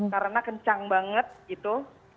karena kencang banget gitu